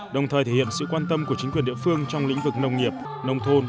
đồng thời thể hiện sự quan tâm của chính quyền địa phương trong lĩnh vực nông nghiệp nông thôn